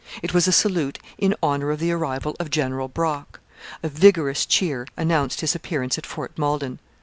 It was a salute in honour of the arrival of General Brock. A vigorous cheer announced his appearance at Fort Malden.